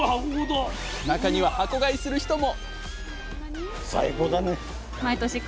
中には箱買いする人も！